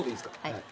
はい。